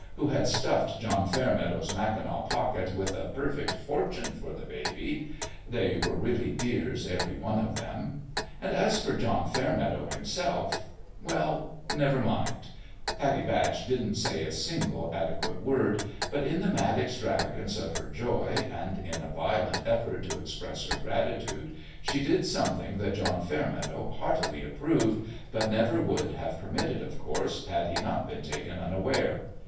who had stuffed John Fairmeadow's mackinaw pocket with a perfect fortune for the baby they were really dears, every one of them. And as for John Fairmeadow himself well never mind : Pattie Batch didn't say a single adequate word ; but in the mad extravagance of her joy, and in a violent effort to express her gratitude, she did something that John Fairmeadow heartily ap proved, but never would have permitted, of course, had he not been taken unaware.